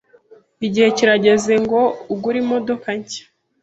Igihe kirageze ngo ugure imodoka nshya.